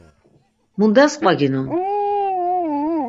Mundes qvaginon?